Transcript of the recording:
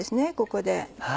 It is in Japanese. ここで。